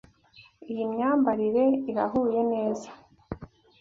Iyi myambarire irahuye neza.